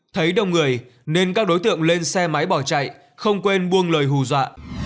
thấy đông người nên các đối tượng lên xe máy bỏ chạy không quên buông lời hù dọa